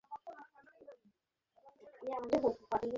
কেউ নেই তো ভেতরে?